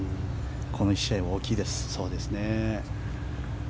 この１試合は大きいです。